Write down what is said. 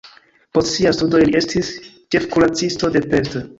Post siaj studoj li estis ĉefkuracisto de Pest.